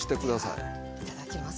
ではいただきます。